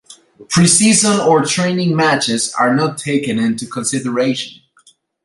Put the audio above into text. Preseason or training matches are not taken into consideration.